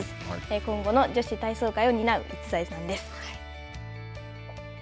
今後の女子体操界を担う逸材なんです。